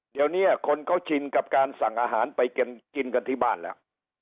เดี๋ยวนี้คนเขาชินกับการสั่งอาหารไปกินกันที่บ้านแล้ว